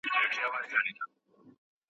دغه لمر، دغه سپوږمۍ وه `